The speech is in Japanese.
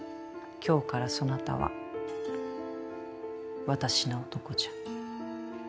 今日からそなたは私の男じゃ。